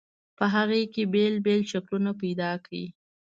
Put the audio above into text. په هغې کې بېل بېل شکلونه پیدا کړئ.